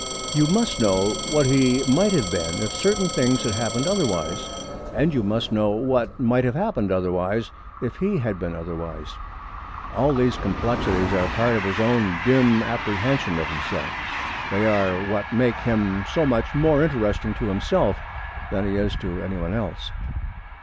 You must know what he might have been if certain things had happened otherwise, and you must know what might have happened otherwise if he had been otherwise. All these complexities are a part of his own dim apprehension of himself. They are what make him so much more interesting to himself than he is to any one else.